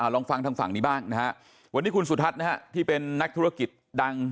ลองฟังทางฝั่งนี้บ้างนะฮะวันนี้คุณสุทัศน์นะฮะที่เป็นนักธุรกิจดัง